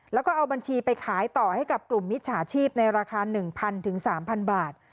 แล้วก็เอาบัญชีไปขายต่อให้กับกลุ่มมิจฉาชีพในราคา๑๐๐๓๐๐บาท